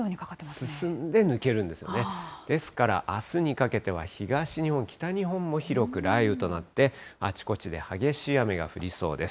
進んで抜けるんですよね、ですから、あすにかけては東日本、北日本も広く雷雨となって、あちこちで激しい雨が降りそうです。